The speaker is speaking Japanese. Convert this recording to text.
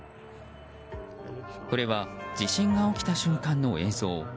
これは地震が起きた瞬間の映像。